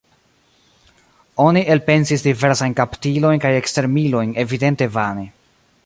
Oni elpensis diversajn kaptilojn kaj ekstermilojn, evidente vane.